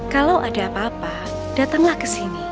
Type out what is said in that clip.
kalau ada apa apa datanglah ke sini